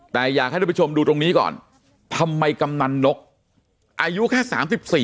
แต่อยากให้ทุกผู้ชมดูตรงนี้ก่อนทำไมกำนันนกอายุแค่สามสิบสี่